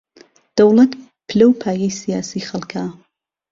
دەوڵەت پلە و پایەی سیاسیی خەڵکە